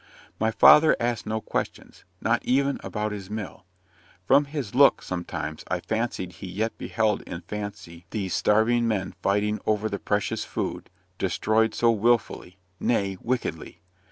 My father asked no questions not even about his mill. From his look, sometimes, I fancied he yet beheld in fancy these starving men fighting over the precious food, destroyed so wilfully nay, wickedly.